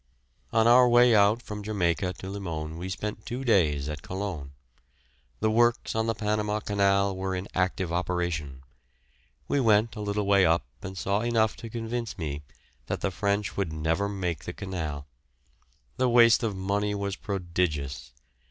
On our way out from Jamaica to Limon we spent two days at Colon. The works on the Panama Canal were in active operation. We went a little way up and saw enough to convince me that the French would never make the canal. The waste of money was prodigious.